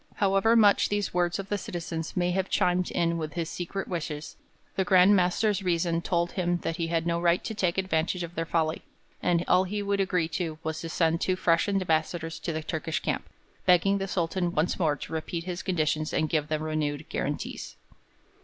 However much these words of the citizens may have chimed in with his secret wishes, the Grand Master's reason told him that he had no right to take advantage of their folly, and all he would agree to was to send two fresh ambassadors to the Turkish camp, begging the Sultan once more to repeat his conditions and give them renewed guarantees.